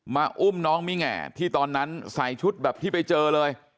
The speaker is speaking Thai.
อุ้มน้องมิแหงที่ตอนนั้นใส่ชุดแบบที่ไปเจอเลย